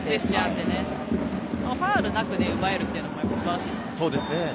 でもファウルなく奪えるっていうのは素晴らしいですね。